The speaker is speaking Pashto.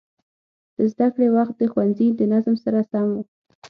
د زده کړې وخت د ښوونځي د نظم سره سم و.